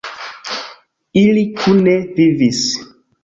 Ili kune vivis.